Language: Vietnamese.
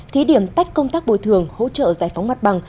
thí điểm tách công tác bồi thường hỗ trợ giải phóng mặt bằng